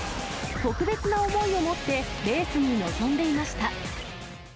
特別な思いを持って、レースに臨んでいました。